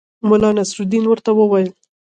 ملا نصرالدین ورته وویل.